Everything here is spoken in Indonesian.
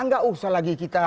nggak usah lagi kita